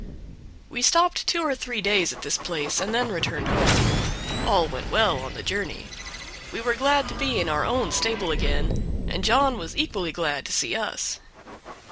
We stopped two or three days at this place and then returned home. All went well on the journey; we were glad to be in our own stable again, and John was equally glad to see us.